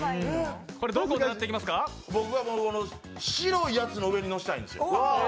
僕はこの白いやつの上に乗せたいんですよ。